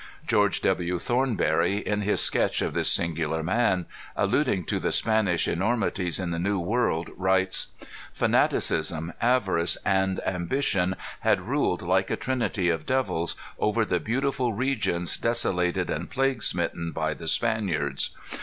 George W. Thornbury, in his sketch of this singular man, alluding to the Spanish enormities in the New World, writes: "Fanaticism, avarice, and ambition had ruled like a trinity of devils, over the beautiful regions desolated and plague smitten by the Spaniards.